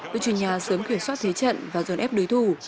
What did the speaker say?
đội truyền nhà sớm khuyển soát thế trận và dồn ép đối thủ